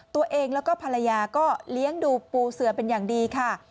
ตัวเองแล้วก็ภรรยาก็เลี้ยงดูปูเสือเป็นอย่างดีค่ะ